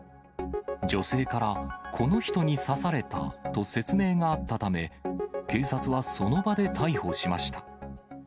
女性から、この人に刺されたと説明があったため、警察はその場で逮捕しました。